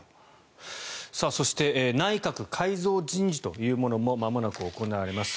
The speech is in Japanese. そして内閣改造人事というものもまもなく行われます。